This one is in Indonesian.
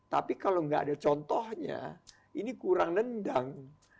tapi kalau nggak ada contohnya ini kurang nendang